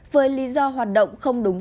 với lý do hoạt động không đúng